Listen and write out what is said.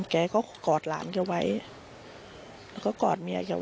แกก็กอดหลานไกว่และก็กอดเมียไกว่